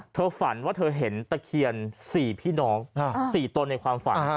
ฝันว่าเธอเห็นตะเคียน๔พี่น้อง๔ตนในความฝัน